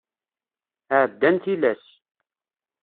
Ɛeddan tilas.